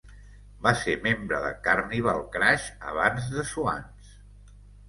Va ser membre de Carnival Crash abans de Swans.